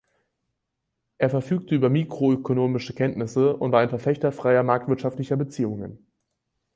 Er verfügte über mikroökonomische Kenntnisse und war ein Verfechter freier marktwirtschaftlicher Beziehungen.